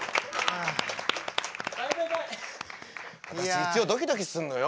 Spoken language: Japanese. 私一応ドキドキするのよ